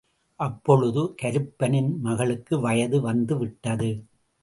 அப்பொழுது கருப்பனின் மகளுக்கு வயது வந்து விட்டது.